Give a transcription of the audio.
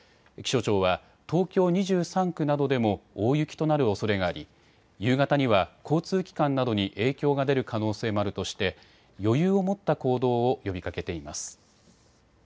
気象庁は東京２３区などでも大雪となるおそれがあり夕方には交通機関などに影響が出る可能性もあるとして余裕を持った行動を呼びかけています。